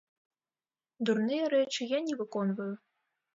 Дурныя рэчы я не выконваю.